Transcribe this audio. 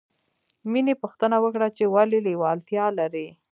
مینې پوښتنه وکړه چې ولې لېوالتیا لرې